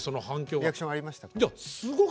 リアクションありましたか？